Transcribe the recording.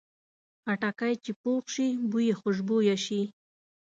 خټکی چې پوخ شي، بوی یې خوشبویه شي.